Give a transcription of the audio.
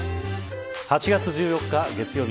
８月１４日月曜日